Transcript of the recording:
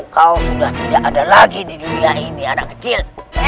kau sudah tidak ada lagi di dunia ini anak kecil